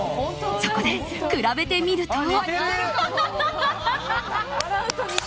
そこで比べてみると。